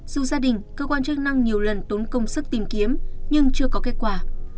dù gia đình cơ quan chức năng nhiều lần tốn công sức tìm kiếm nhưng chưa có kết quả